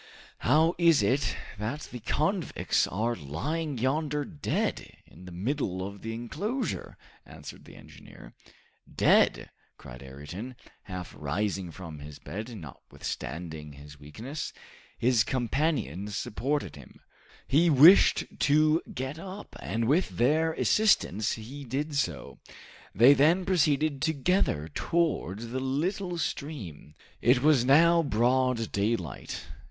"How is it that the convicts are lying yonder dead, in the middle of the enclosure?" answered the engineer. "Dead!" cried Ayrton, half rising from his bed, notwithstanding his weakness. His companions supported him. He wished to get up, and with their assistance he did so. They then proceeded together towards the little stream. It was now broad daylight.